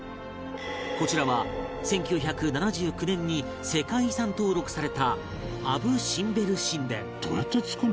こちらは１９７９年に世界遺産登録されたアブ・シンベル神殿富澤：どうやって作るの？